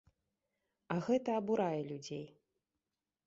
А гэта абурае людзей.